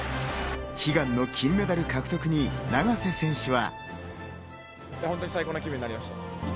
悲願の金メダル獲得に永瀬選手は。